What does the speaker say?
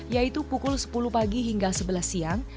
yaitu pukul sepuluh pagi hingga sebelas siang